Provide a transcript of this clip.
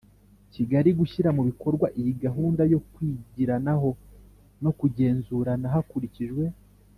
Kigali gushyira mu bikorwa iyi gahunda yo kwigiranaho no kugenzurana hakurikijwe